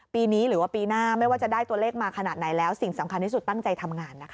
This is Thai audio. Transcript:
ปีนี้หรือว่าปีหน้าไม่ว่าจะได้ตัวเลขมาขนาดไหนแล้วสิ่งสำคัญที่สุดตั้งใจทำงานนะคะ